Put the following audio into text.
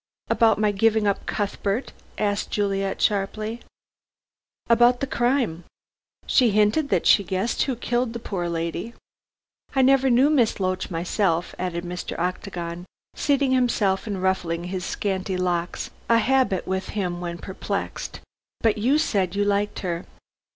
"About my giving up Cuthbert?" asked Juliet sharply. "About the crime. She hinted that she guessed who killed the poor lady. I never knew Miss Loach myself," added Mr. Octagon, seating himself and ruffling his scanty locks, a habit with him when perplexed, "but you said you liked her."